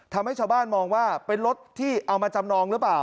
ทำให้ชาวบ้านมองว่าเป็นรถที่เอามาจำนองหรือเปล่า